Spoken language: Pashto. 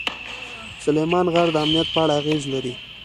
سلیمان غر د امنیت په اړه اغېز لري.